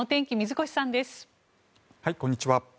こんにちは。